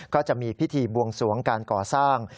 ก็จะมีพิธีบวงสวงการก่อสร้าง